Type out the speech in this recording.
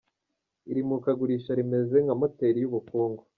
Iri murikagurisha rimeze nka moteri y’ubukungu.